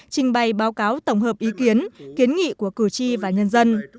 trình bày báo cáo tổng hợp ý kiến kiến nghị của cử tri và nhân dân